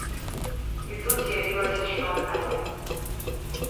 І тут з'явілася шмат але.